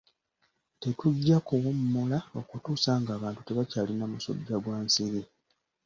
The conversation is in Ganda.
Tetujja kuwummula okutuusa ng'abantu tebakyalina musujja gwa nsiri.